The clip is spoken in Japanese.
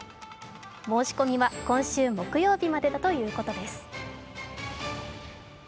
申し込みは今週木曜日までだということです。